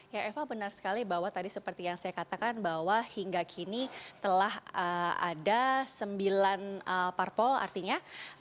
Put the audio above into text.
ya eva benar sekali bahwa tadi seperti yang saya katakan bahwa hingga kini telah ada sembilan parpol artinya